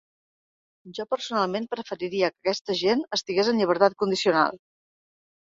Jo personalment preferiria que aquesta gent estigués en llibertat condicional.